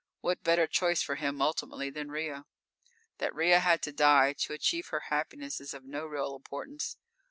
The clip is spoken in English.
What better choice for him ultimately than Ria? That Ria had to die to achieve her happiness is of no real importance.